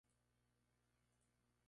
Juega en el campeonato regional de Sal.